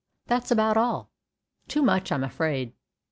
That's about all. Too much, I am afraid.